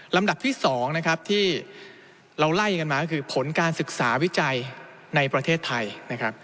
ลำดับที่๒ที่เราไล่กันมาคือผลการศึกษาวิจัยในประเทศไทย